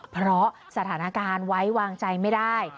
เพราะสถานการณ์ไว้วางใจไม่ได้